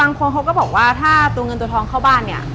คนเขาก็บอกว่าถ้าตัวเงินตัวทองเข้าบ้านเนี่ย